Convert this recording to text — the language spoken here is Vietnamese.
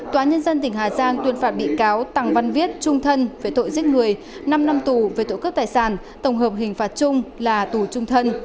tòa nhân dân tỉnh hà giang tuyên phạt bị cáo tằng văn viết trung thân về tội giết người năm năm tù về tội cướp tài sản tổng hợp hình phạt chung là tù trung thân